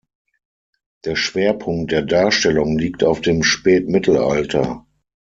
Der Schwerpunkt der Darstellung liegt auf dem Spätmittelalter.